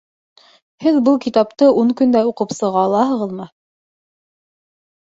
Һеҙ был китапты ун көндә уҡып сыға алаһығыҙмы?